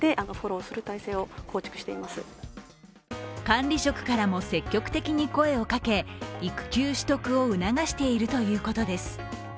管理職からも積極的に声をかけ、育休取得を促しているということです。